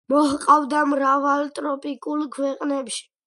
მოჰყავთ მრავალ ტროპიკულ ქვეყნებში.